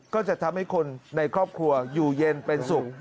ก็จะทำให้คนในครอบครัวอยู่เย็นเป็นสุข